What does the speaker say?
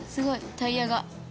タイヤが。